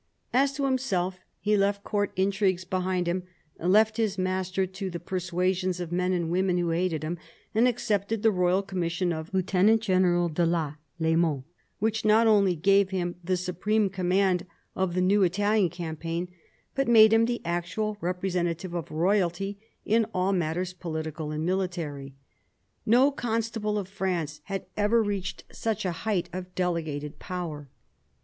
As to himself, he left Court intrigues behind him, left his master to the persuasions of men and women who hated him, and accepted the royal commission of " Lieu tenant General de la les Monts," which not only gave him the supreme command of the new Italian campaign, but made him the actual representative of Royalty in all matters political and military. No Constable of France had ever reached such a height of delegated power.